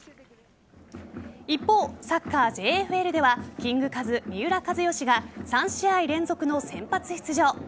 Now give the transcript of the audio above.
一方、サッカー・ＪＦＬではキング・カズ三浦知良が３試合連続の先発出場。